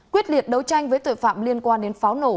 quyết liệt đấu tranh với tội phạm liên quan đến pháo nổ